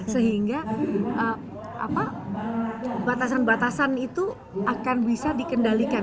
sehingga batasan batasan itu akan bisa dikendalikan